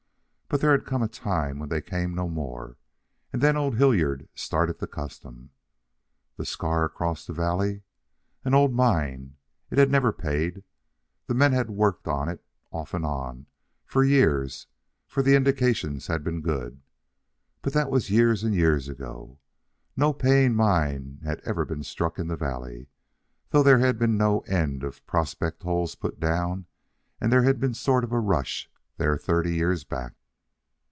But there had come a time when they came no more, and then old Hillard started the custom. The scar across the valley? An old mine. It had never paid. The men had worked on it, off and on, for years, for the indications had been good. But that was years and years ago. No paying mine had ever been struck in the valley, though there had been no end of prospect holes put down and there had been a sort of rush there thirty years back.